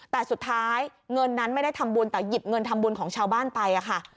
แต่สุดท้ายเงินนั้นไม่ได้ทำบุญแต่หยิบเงินทำบุญของชาวบ้านไปค่ะ